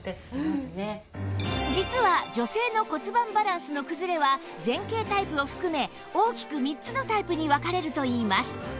実は女性の骨盤バランスの崩れは前傾タイプを含め大きく３つのタイプに分かれるといいます